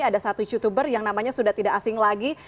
ada satu youtuber yang namanya sudah tidak asing lagi